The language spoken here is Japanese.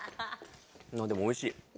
でもおいしい。